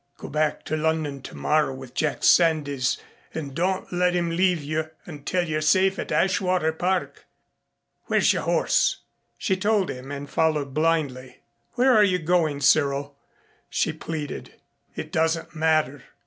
Go back to London tomorrow with Jack Sandys and don't let him leave you until you're safe at Ashwater Park. Where's your horse?" She told him and followed blindly. "Where are you going, Cyril?" she pleaded. "It doesn't matter."